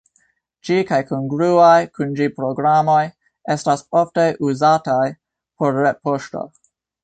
Ĝi kaj kongruaj kun ĝi programoj estas ofte uzataj por retpoŝto.